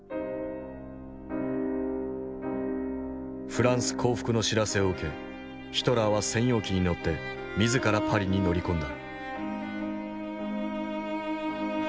フランス降伏の知らせを受けヒトラーは専用機に乗って自らパリに乗り込んだ。